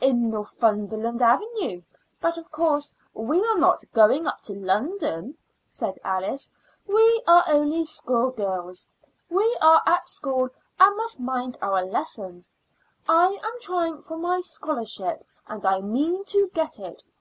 "In Northumberland Avenue. But, of course, we are not going up to London," said Alice. "We are only schoolgirls. We are at school and must mind our lessons. I am trying for my scholarship, and I mean to get it.